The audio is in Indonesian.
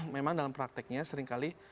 memang dalam prakteknya seringkali